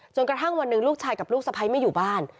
กระทั่งวันหนึ่งลูกชายกับลูกสะพ้ายไม่อยู่บ้าน